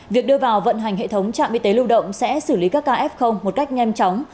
việc đưa vào vận hành hệ thống trạm y tế lưu động sẽ xử lý các ca f một cách nhanh chóng